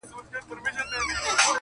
په ټپوس کي د باز خویونه نه وي -